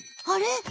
あれ？